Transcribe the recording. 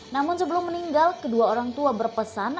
namun sebelum meninggal kedua orang tua berpesan